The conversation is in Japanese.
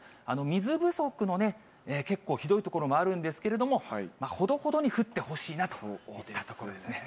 水不足の結構ひどい所もあるんですけれども、ほどほどに降ってほしいなといったところですね。